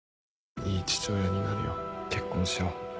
いい父親になるよ結婚しよう。